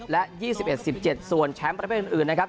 และ๒๑๑๗ส่วนแชมป์ประเภทอื่นนะครับ